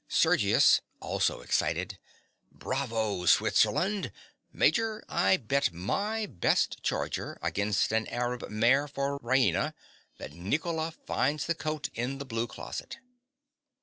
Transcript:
_) SERGIUS. (also excited). Bravo, Switzerland! Major: I bet my best charger against an Arab mare for Raina that Nicola finds the coat in the blue closet.